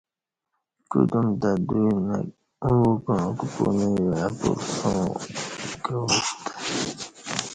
کدیوم تں دوئی نہ ووکعاں پنوی وای پلسئوں کہ وشتہ